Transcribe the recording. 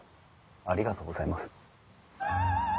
ありがとうございます。